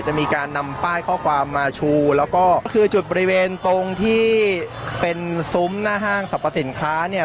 จะมีการนำป้ายข้อความมาชูแล้วก็คือจุดบริเวณตรงที่เป็นซุ้มหน้าห้างสรรพสินค้าเนี่ย